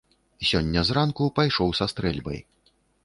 Сёння зранку пайшоў са стрэльбай.